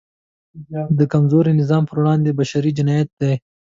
د کمزوري نظام پر وړاندې بشری جنایت دی.